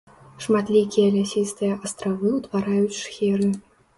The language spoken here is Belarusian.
Шматлікія лясістыя астравы ўтвараюць шхеры.